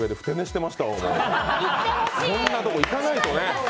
いろんなとこ行かないとね。